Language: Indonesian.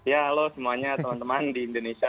ya halo semuanya teman teman di indonesia